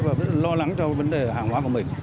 và rất là lo lắng cho vấn đề hàng hóa của mình